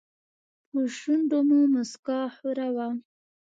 په شونډو مو موسکا خوره وي .